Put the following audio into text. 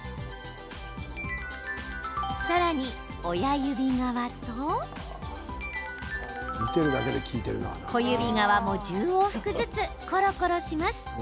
さらに親指側と小指側も１０往復ずつコロコロします。